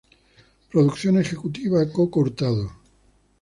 Producción ejecutiva: Coco Hurtado.